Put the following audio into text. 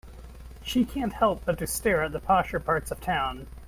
She can't help but to stare at the posher parts of town.